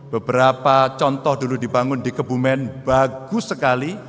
beberapa contoh dulu dibangun di kebumen bagus sekali